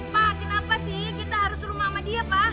pak kenapa sih kita harus rumah sama dia pak